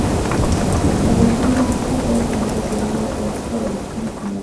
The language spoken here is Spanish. El espín de un núcleo está determinado por el número cuántico del espín "I".